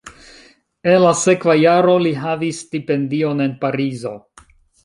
En la sekva jaro li havis stipendion en Parizo.